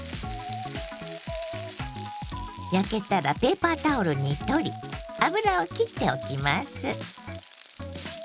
焼けたらペーパータオルに取り油をきっておきます。